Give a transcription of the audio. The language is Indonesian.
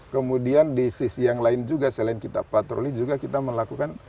kemudian di sisi yang lain juga selain kita patroli juga kita melakukan